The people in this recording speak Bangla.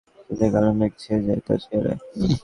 চিন্তার কালো মেঘ ছেয়ে যায় তার চেহারায়।